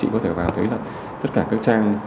có phản hồi và xử lý